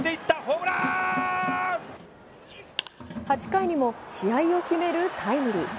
８回にも試合を決めるタイムリー。